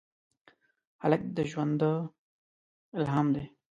هلک د ژونده الهام دی.